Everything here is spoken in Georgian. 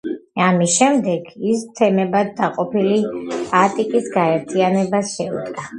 ამის შემდეგ ის თემებად დაყოფილი ატიკის გაერთიანებას შეუდგა.